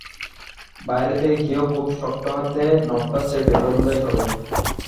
বাইরে থেকে কেউ খুব শক্ত হাতে নবটা চেপে ধরলেই হবে।